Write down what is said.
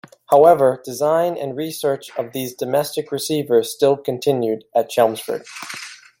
However, design and research of these domestic receivers still continued at Chelmsford.